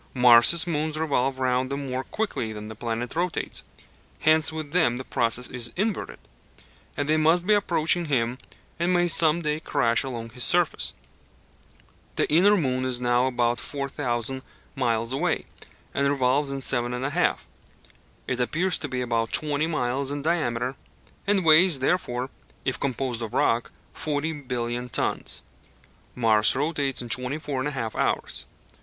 Mars' moons revolve round him more quickly than the planet rotates: hence with them the process is inverted, and they must be approaching him and may some day crash along his surface. The inner moon is now about 4,000 miles away, and revolves in 7 1/2 hours. It appears to be about 20 miles in diameter, and weighs therefore, if composed of rock, 40 billion tons. Mars rotates in 24 1/2 hours.